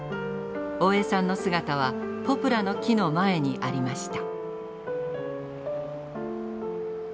大江さんの姿はポプラの木の前にありました。